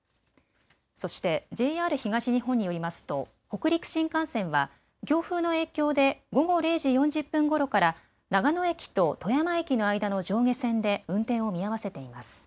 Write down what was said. そしてＪＲ東日本によりますと北陸新幹線は強風の影響で午後０時４０分ごろから、長野駅と富山駅の間の上下線で運転を見合わせています。